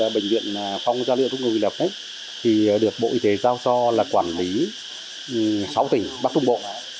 bệnh viện phong gia liễu trung ương huyện lập thì được bộ y tế giao so là quản lý sáu tỉnh bắc trung bộ